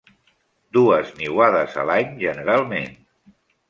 Dues niuades a l'any generalment.